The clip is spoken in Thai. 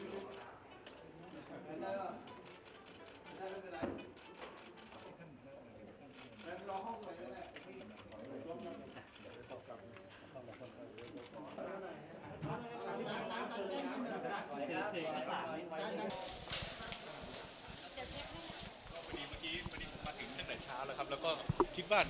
สวัสดีครับ